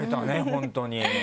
本当に。